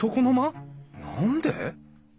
何で？